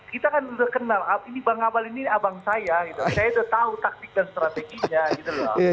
kita kan sudah kenal bang ambalin ini abang saya saya sudah tahu taktik dan strateginya